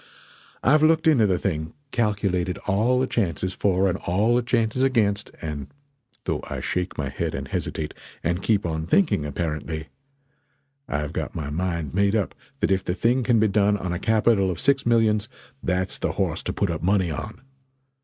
I've looked into the thing calculated all the chances for and all the chances against, and though I shake my head and hesitate and keep on thinking, apparently, I've got my mind made up that if the thing can be done on a capital of six millions, that's the horse to put up money on!